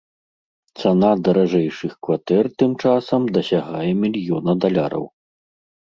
Цана даражэйшых кватэр тым часам дасягае мільёна даляраў.